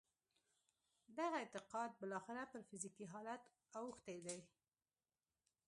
دغه اعتقاد بالاخره پر فزیکي حالت اوښتی دی